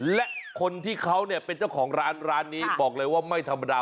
และคนที่เขาเนี่ยเป็นเจ้าของร้านร้านนี้บอกเลยว่าไม่ธรรมดา